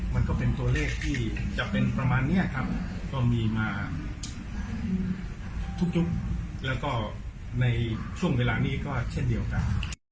มันก็เป็นตัวเลขที่จะเป็นประมาณนี้ครับก็มีมาทุกยุคแล้วก็ในช่วงเวลานี้ก็เช่นเดียวกัน